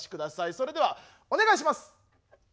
それではお願いします。